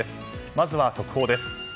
まずは速報です。